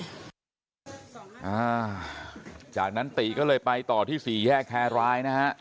อ่าจากนั้นติก็เลยไปต่อที่สี่แยกแครร้ายนะฮะ